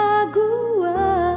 jangan sembunyi dia aja sayang